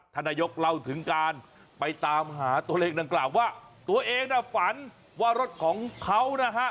นายกเล่าถึงการไปตามหาตัวเลขดังกล่าวว่าตัวเองน่ะฝันว่ารถของเขานะฮะ